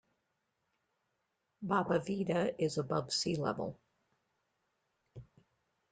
Baba Vida is above sea level.